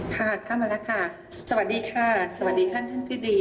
ค่ะเข้ามานะคะสวัสดีค่ะสวัสดีค่ะท่านท่านพี่ดี